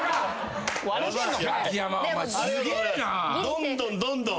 どんどんどんどん。